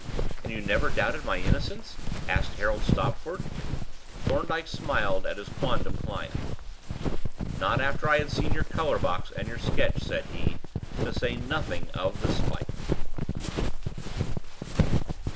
"And you never doubted my innocence?" asked Harold Stopford. Thorndyke smiled at his quondam client. "Not after I had seen your colour box and your sketch," said he, "to say nothing of the spike."